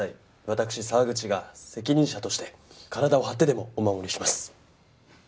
私沢口が責任者として体を張ってでもお護りします。